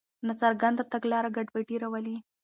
ناڅرګنده تګلاره ګډوډي راولي.